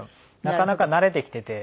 なかなか慣れてきていて。